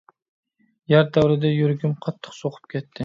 يەر تەۋرىدى، يۈرىكىم قاتتىق سوقۇپ كەتتى.